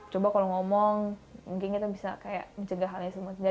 coba kalau ngomong mungkin kita bisa mencegah hal ini semuanya